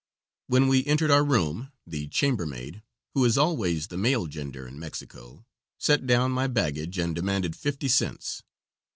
When we entered our room the chambermaid who is always of the male gender in Mexico set down my baggage and demanded fifty cents.